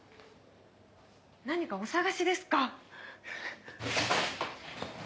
何かお探しですか！？